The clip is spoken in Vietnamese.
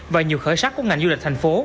và nhiều khởi sắc của ngành du lịch thành phố